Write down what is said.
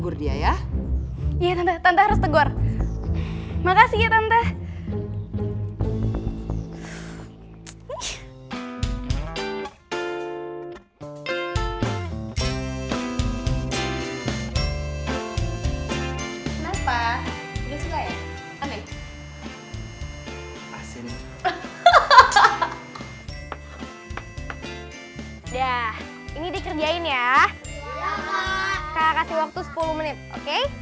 udah biasa kok